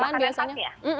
makanan khas ya